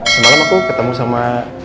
semalam aku ketemu sama